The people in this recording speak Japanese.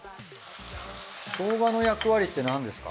しょうがの役割ってなんですか？